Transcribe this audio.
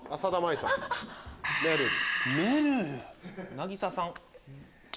「なぎささん」？